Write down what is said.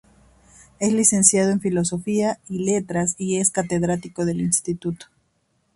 Es licenciado en Filosofía y Letras y es catedrático de instituto.